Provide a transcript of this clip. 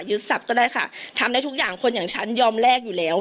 ศัพท์ก็ได้ค่ะทำได้ทุกอย่างคนอย่างฉันยอมแลกอยู่แล้ว